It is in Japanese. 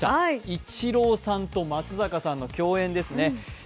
イチローさんと松坂さんの共演ですね。